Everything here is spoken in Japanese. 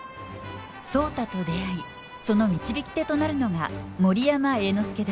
壮多と出会いその導き手となるのが森山栄之助です。